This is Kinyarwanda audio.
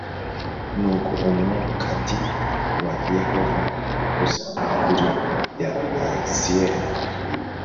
Nuko umwukad wa Yehova uza kuri Yahaziyeli